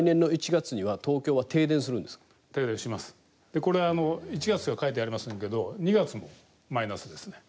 でこれあの１月しか書いてありませんけど２月もマイナスですね。